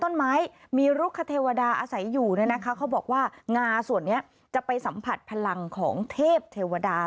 ต้นไม้มีลุกคเทวดาอาศัยอยู่เนี่ยนะคะเขาบอกว่างาส่วนนี้จะไปสัมผัสพลังของเทพเทวดา